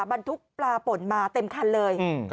บรรทุกปลาป่นมาเต็มคันเลย